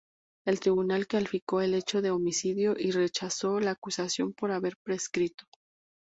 El Tribunal calificó el hecho de homicidio y rechazó la acusación por haber prescrito.